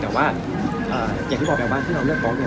แต่ว่าอย่างที่บอกแบบบ้านที่เราเลือกบล็อกเนี่ย